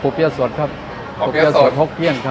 ฮูเปียสสวจครับฮูเปียสสสฮูเปียสสฮดเคี้ยนครับ